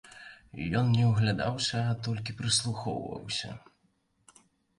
Ён не ўглядаўся, а толькі прыслухоўваўся.